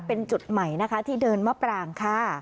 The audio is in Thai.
เป็นจุดใหม่ที่เดินมาปร่างค่ะ